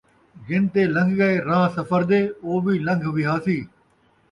جنتے لن٘گھ ڳئے راہ سفر دے، اے وی لن٘گھ وہاسی